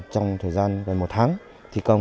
trong thời gian gần một tháng thi công